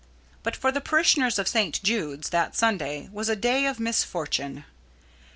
But for the parishioners of St. Jude's that Sunday was a day of misfortune.